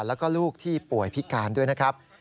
แล้วก็ลูกที่ป่วยพิการด้วยนะครับ